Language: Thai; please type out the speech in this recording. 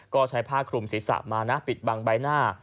ก็ใช้ผ้าคลุมศีรษะมานะปิดบังใบหน้า